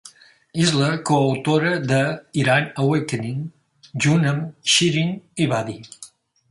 És la coautora de "Iran Awakening" junt amb Shirin Ebadi.